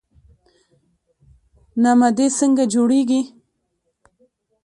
نمدې څنګه جوړیږي؟